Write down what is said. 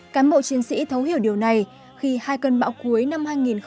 cán bộ chiến sĩ thấu hiểu điều này khi hai cơn bão cuối năm hai nghìn một mươi tám